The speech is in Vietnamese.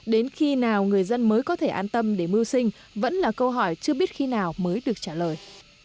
đến khi nào người dân mới có thể an tâm để mưu sinh vẫn là câu hỏi chưa biết khi nào mới được trả lời